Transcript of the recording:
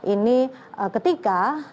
ini ketika berkas perkara sedang diadakan